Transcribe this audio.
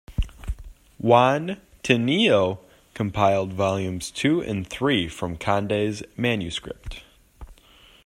Juan Tineo compiled volumes two and three from Conde's manuscript.